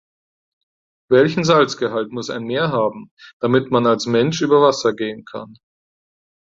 Welchen Salzgehalt muss ein Meer haben, damit man als Mensch über Wasser gehen kann?